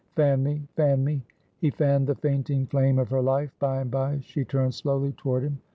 "Fan me; fan me!" He fanned the fainting flame of her life; by and by she turned slowly toward him.